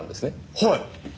はい。